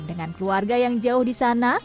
dengan keluarga yang jauh di sana